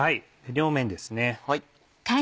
両面ですね。